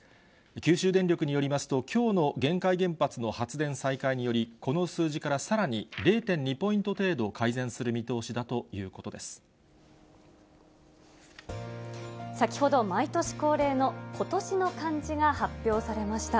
九州電力によりますと、きょうの玄海原発の発電再開により、この数字からさらに０．２ポイント程度、改善する見通しだという先ほど、毎年恒例の今年の漢字が発表されました。